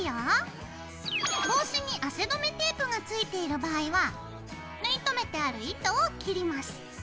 帽子に汗止めテープがついている場合は縫い留めてある糸を切ります。